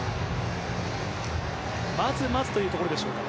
まずまずというところでしょうか。